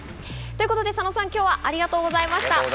ということで佐野さん今日はありがとうございました。